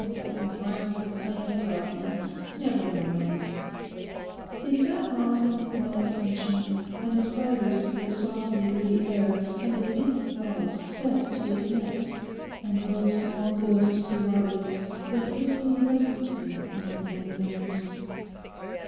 What nonsense I am talking. Never mind.' They sat on in the quiet sunshine, and a spider slid softly through the air and with busy claws set to its nets; and those small ghosts the robins went whistling restlessly among the heavy boughs.